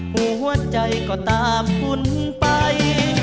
หัวใจก็ตามคุณไป